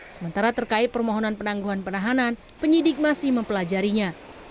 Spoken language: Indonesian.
sementara terkait permohonan penangguhan penahanan penyidik masih mempelajarinya